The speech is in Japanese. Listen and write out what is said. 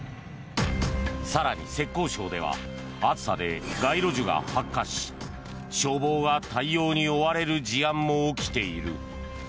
更に浙江省では暑さで街路樹が発火し消防が対応に追われる事案も起きている。